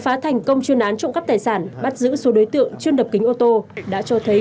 vừa ra tù cũng về hành vi trộm cắp tài sản nhưng thương vẫn chứng nào tật nấy